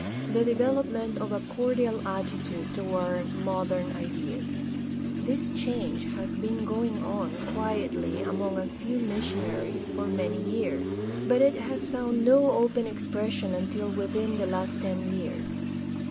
The development of a cordial attitude toward modem ideas. — This change has been going on quietly among a few missionaries for many years, but it has found no open expres sion until within the last ten years.